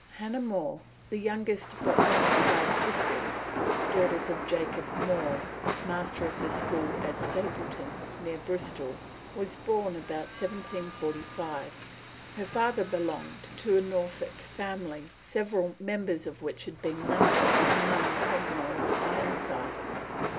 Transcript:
Hannah More, the youngest but one of five sisters, daughters of Jacob More, master of the school at Stapleton, near Bristol, was born about 1745. Her father belonged to a Norfolk family, several members of which had been numbered amongst Cromwell's Ironsides.